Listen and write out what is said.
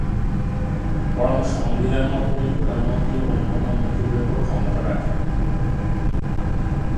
বরং সংবিধান মতে তিনি প্রধানমন্ত্রী ও অন্যান্য মন্ত্রীদের উপর ক্ষমতা রাখেন।